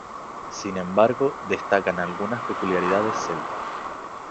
Sin embargo, destacan algunas peculiaridades celtas.